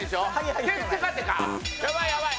やばいやばい。